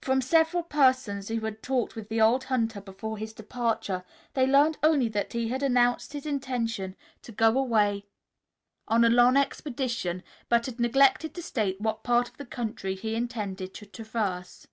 From several persons who had talked with the old hunter before his departure, they learned only that he had announced his intention to go away on a long expedition, but had neglected to state what part of the country he intended to traverse.